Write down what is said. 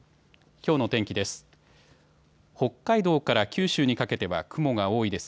きょうの天気です。